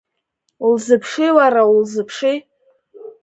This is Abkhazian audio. Улзыԥши уара, улзыԥши…